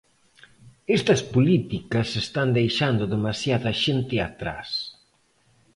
Estas políticas están deixando demasiada xente atrás.